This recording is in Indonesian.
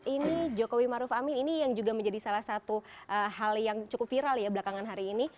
ini jokowi maruf amin ini yang juga menjadi salah satu hal yang cukup viral ya belakangan hari ini